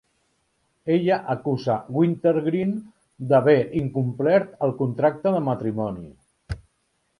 Ella acusa Wintergreen d'haver incomplert el contracte de matrimoni.